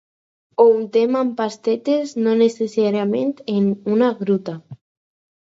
Ho untem amb pastetes, no necessàriament en una gruta.